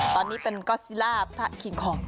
ตอนนี้เป็นก็อซีล่าปะทะขิงของ